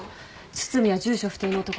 堤は住所不定の男。